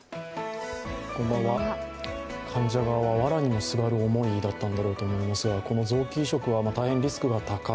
患者側は、わらにもすがる思いだったんだと思いますが、この臓器移植は大変リスクが高い。